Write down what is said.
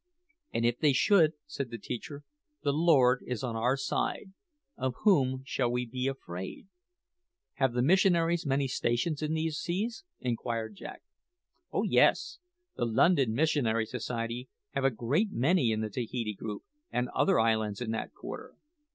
"And if they should," said the teacher, "the Lord is on our side; of whom shall we be afraid?" "Have the missionaries many stations in these seas?" inquired Jack. "Oh yes. The London Missionary Society have a great many in the Tahiti group, and other islands in that quarter.